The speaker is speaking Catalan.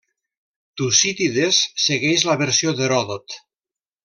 Tucídides segueix la versió d'Heròdot.